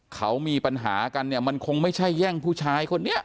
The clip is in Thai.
เขามีปัญหากันเนี่ยมันคงไม่ใช่แย่งผู้ชายคนนี้